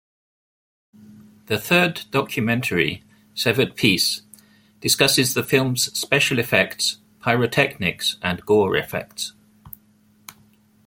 The third documentary, "Severed Piece", discusses the film's special effects, pyrotechnics and gore effects.